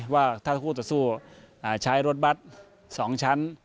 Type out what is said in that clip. ว่าถ้าสู้สู้ใช้รถบัดสองชั้น